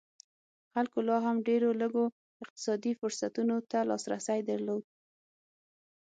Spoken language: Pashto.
خلکو لا هم ډېرو لږو اقتصادي فرصتونو ته لاسرسی درلود.